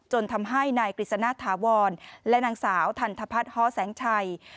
จนทำให้นายกฤษณาธาวรและนางสาวธันธพัดฮแสงชัย